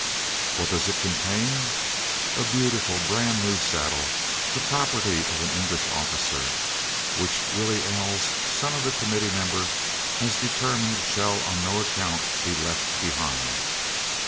What does it contain? A beautiful brand new saddle, the property of an English officer, which Willie Els, son of the Committee member, has determined shall on no account be left behind.